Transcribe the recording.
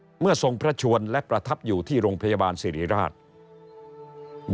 เมื่อทรงพระชวนและประทับอยู่ที่โรงพยาบาลสิริราช